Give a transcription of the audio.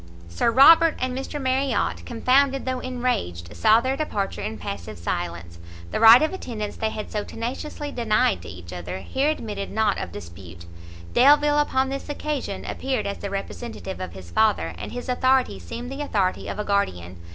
Sir Robert and Mr Marriot, confounded though enraged, saw their departure in passive silence; the right of attendance they had so tenaciously denied to each other, here admitted not of dispute; Delvile upon this occasion, appeared as the representative of his father, and his authority seemed the authority of a guardian.